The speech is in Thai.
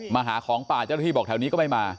มาหาของป่าเจ้าหน้าที่บอกแถวนี้ก็ไม่มา